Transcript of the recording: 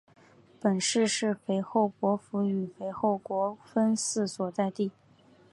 本市是肥后国府与肥后国分寺所在地。